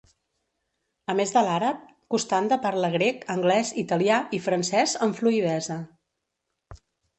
A més de l'àrab, Costanda parla grec, anglès, italià i francès amb fluïdesa.